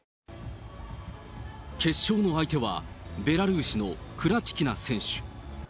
決勝の相手は、ベラルーシのクラチキナ選手。